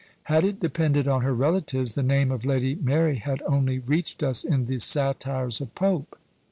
Had it depended on her relatives, the name of Lady Mary had only reached us in the satires of Pope.